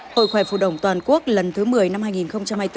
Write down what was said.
hội khỏe phổ đồng toàn quốc lần thứ một mươi năm hai nghìn hai mươi bốn